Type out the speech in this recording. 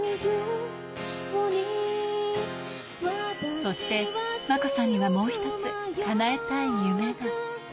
そして、真子さんには、もう一つ叶えたい夢が。